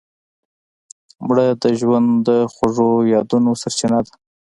مړه د ژوند د خوږو یادونو سرچینه وه